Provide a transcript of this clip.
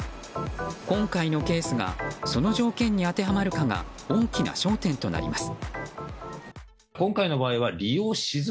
今回のケースがその条件に当てはまるかが大きな焦点となります。